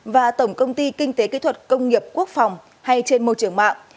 và tổng công ty kinh tế kỹ thuật công nghiệp quốc phòng hay trên môi trường mạng